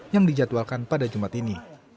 yang dijadwalkan pada jumat ini